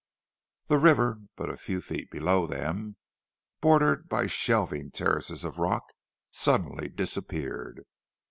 The river but a few feet below them, bordered by shelving terraces of rock, suddenly disappeared.